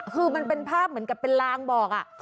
คือมันเป็นภาพเหมือนกับเป็นลางบอก